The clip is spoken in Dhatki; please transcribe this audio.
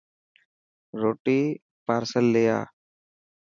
روٽي پارسل لي آءِ.